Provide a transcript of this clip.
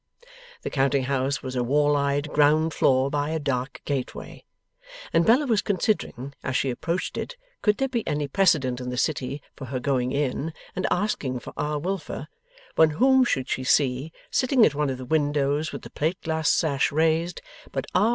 The counting house was a wall eyed ground floor by a dark gateway, and Bella was considering, as she approached it, could there be any precedent in the City for her going in and asking for R. Wilfer, when whom should she see, sitting at one of the windows with the plate glass sash raised, but R.